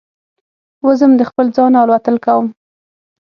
وزم د خپل ځانه الوتل کوم